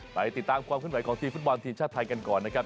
ไปติดตามความขึ้นไหวของทีมฟุตบอลทีมชาติไทยกันก่อนนะครับ